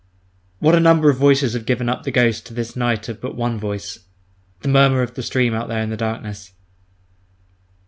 What a number of voices have given up the ghost to this night of but one voice—the murmur of the stream out there in darkness!